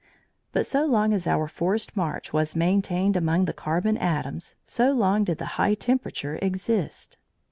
But so long as our forced march was maintained among the carbon atoms, so long did the high temperature exist.